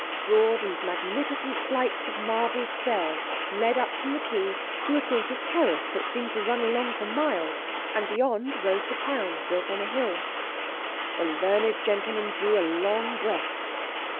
Broad and magnificent flights of marble stairs led up from the quay to a sort of terrace that seemed to run along for miles, and beyond rose the town built on a hill. The learned gentleman drew a long breath.